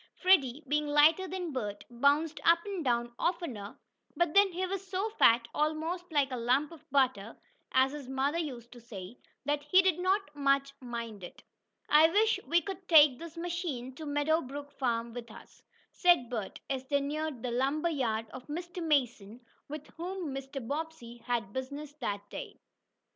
Freddie, being lighter than Bert, bounced up and down oftener, but then he was so fat, almost "like a lump of butter," as his mother used to say, that he did not much mind it. "I wish we could take this machine to Meadow Brook Farm with us," said Bert, as they neared the lumber yard of Mr. Mason, with whom Mr. Bobbsey had business that day.